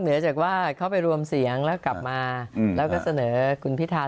เหนือจากว่าเขาไปรวมเสียงแล้วกลับมาแล้วก็เสนอคุณพิธา